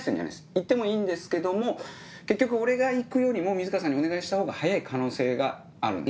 行ってもいいんですけども結局俺が行くよりも水川さんにお願いしたほうが早い可能性があるんですよ。